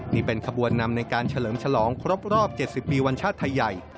นี่เป็นขบวนนำในการเฉลิมฉลองครบรอบ๗๐ปีวัญชาติไทยใหญ่